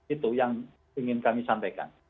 itu yang ingin kami sampaikan